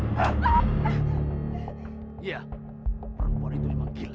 iya perempuan itu memang gila